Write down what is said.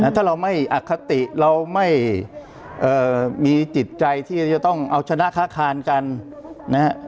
ถ้าเราไม่อคติเราไม่มีจิตใจที่จะต้องเอาชนะค้าคานกันนะฮะ